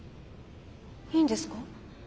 いいんですか？